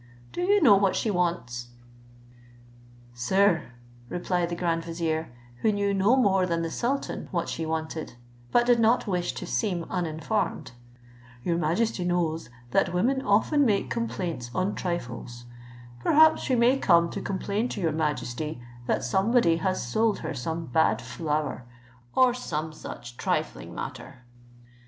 Do you know what she wants?" "Sir," replied the grand vizier, who knew no more than the sultan what she wanted, but did not wish to seem uninformed, "your majesty knows that women often make complaints on trifles; perhaps she may come to complain to your majesty that somebody has sold her some bad flour, or some such trifling matter."